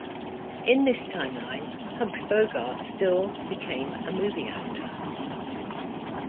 In this timeline, Humphrey Bogart still became a movie actor.